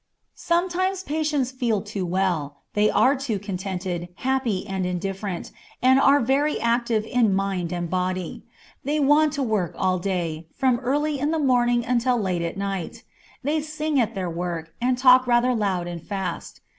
Sometimes patients feel too well. They are too contented, happy, and indifferent, and are very active in body and mind. They want to work all day, from early in the morning until late at night. They sing as they work, and talk rather loud and fast.